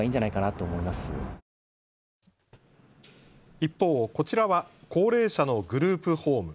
一方、こちらは高齢者のグループホーム。